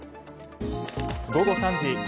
午後３時。